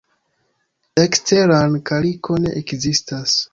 Eksteran kaliko ne ekzistas.